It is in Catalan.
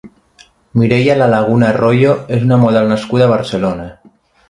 Mireia Lalaguna Royo és una model nascuda a Barcelona.